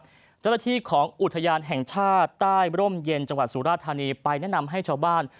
เจ้าหน้าที่ของอุทยานแห่งชาติใต้ร่มเย็นจังหวัดสุราธานีไปแนะนำให้ชาวบ้าน